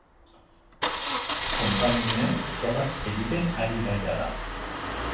Konpainia frogak egiten ari da jada.